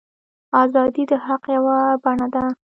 ازادي د حق یوه بڼه ده.